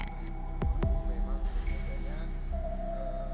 mela berharap bisa meneruskan apa yang dilakukan ayahnya